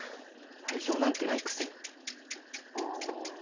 愛情なんてないくせに。